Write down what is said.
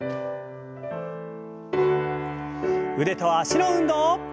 腕と脚の運動。